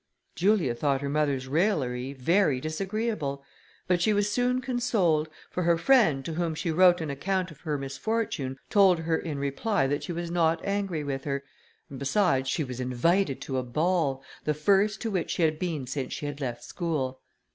Julia thought her mother's raillery very disagreeable, but she was soon consoled, for her friend, to whom she wrote an account of her misfortune, told her, in reply, that she was not angry with her, and besides, she was invited to a ball, the first to which she had been since she had left school.